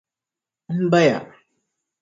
M baya.